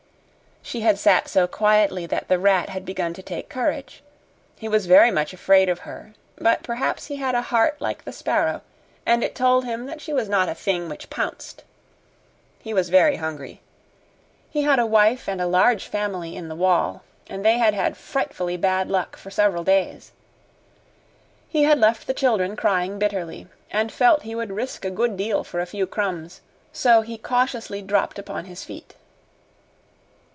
'" She had sat so quietly that the rat had begun to take courage. He was very much afraid of her, but perhaps he had a heart like the sparrow and it told him that she was not a thing which pounced. He was very hungry. He had a wife and a large family in the wall, and they had had frightfully bad luck for several days. He had left the children crying bitterly, and felt he would risk a good deal for a few crumbs, so he cautiously dropped upon his feet.